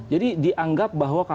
jadi dianggap bahwa kpk ini